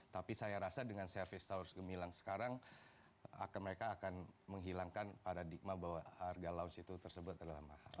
tapi saya rasa dengan service taurus gemilang sekarang mereka akan menghilangkan paradigma bahwa harga lounge itu tersebut adalah mahal